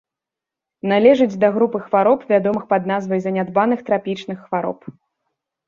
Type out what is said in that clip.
Належыць да групы хвароб, вядомых пад назвай занядбаных трапічных хвароб.